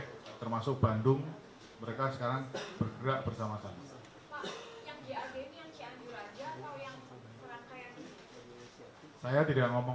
informasi intelijen mereka akan bergerak ke markup remote